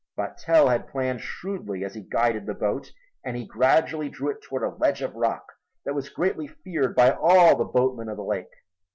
But Tell had planned shrewdly as he guided the boat and he gradually drew it toward a ledge of rock that was greatly feared by all the boatmen of the lake.